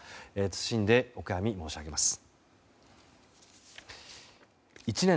謹んでお悔やみ申し上げます。